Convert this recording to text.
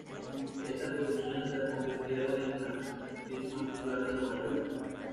Estas producciones la convirtieron en la actriz más popular de Nueva York.